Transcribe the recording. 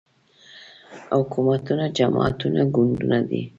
حکومتونه جماعتونه ګوندونه دي